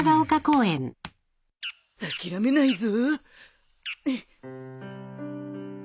諦めないぞ。